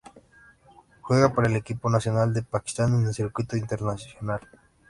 Juega para el equipo nacional de Pakistán en el circuito internacional.